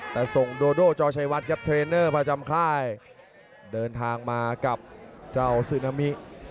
แต่ส่งโดโดจอชัยวัดครับเทรนเนอร์ประจำค่ายเดินทางมากับเจ้าซึนามิ